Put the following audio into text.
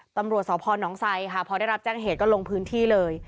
ตำรวจสพนไซค่ะพอได้รับแจ้งเหตุก็ลงพื้นที่เลย